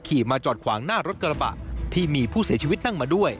มาจอดขวางหน้ารถกระบะที่มีผู้เสียชีวิตนั่งมาด้วย